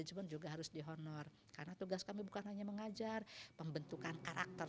jempol juga harus dihonor karena tugas kami bukan hanya mengajar pembentukan karakter